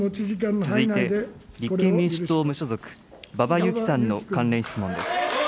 続いて立憲民主党・無所属、馬場雄基さんの関連質問です。